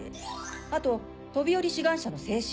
あと飛び降り志願者の制止。